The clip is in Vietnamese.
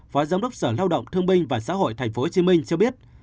phó giám đốc sở lao động thương binh và xã hội tp hcm cho biết